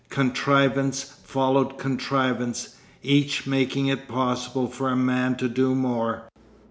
Contrivance followed contrivance, each making it possible for a man to do more.